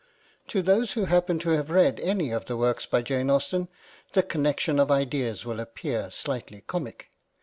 To those who happen to have read any of the works of Jane Austen, the connection of ideas will appear slightly comic.